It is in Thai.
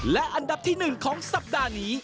และอันดับที่๑ของสัปดาห์นี้